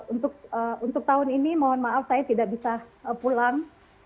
untuk tahun ini mohon maaf saya tidak bisa pulang